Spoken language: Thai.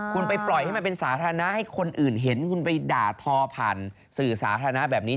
คุณไปปล่อยให้มันเป็นสาธารณะให้คนอื่นเห็นคุณไปด่าทอผ่านสื่อสาธารณะแบบนี้